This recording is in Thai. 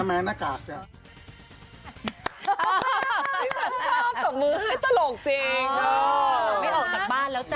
ไม่เอาจากบ้านแล้วจ้ะ